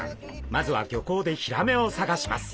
まずは漁港でヒラメを探します！